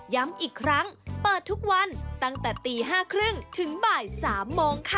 ย้ำอีกครั้งเปิดทุกวันตั้งแต่ตี๕๓๐ถึงบ่าย๓โมงค่ะ